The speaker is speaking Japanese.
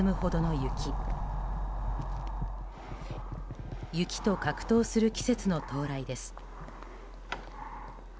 雪と格闘する季節の到来です。